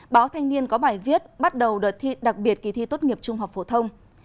báo thanh niên có bài viết bắt đầu đợt thi đặc biệt kỳ thi tốt nghiệp trung học phổ thông